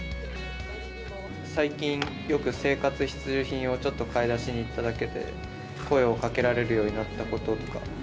最近よく生活必需品をちょっと買い出しに行っただけで、声をかけられるようになったこととか。